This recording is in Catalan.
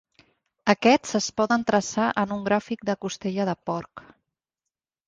Aquests es poden traçar en un gràfic de "costella de porc".